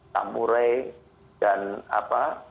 samurai dan apa